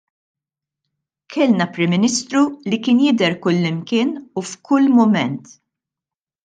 Kellna Prim Ministru li kien jidher kullimkien u f'kull mument.